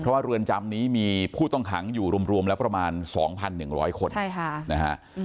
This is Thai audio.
เพราะว่าเรือนจำนี้มีผู้ตรงขังอยู่รวมแล้วประมาณสองพันหนึ่งร้อยคนใช่ค่ะนะฮะ